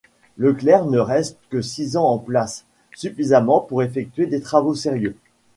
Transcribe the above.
Leclerc ne reste que six ans en place, suffisamment pour effectuer des travaux sérieux.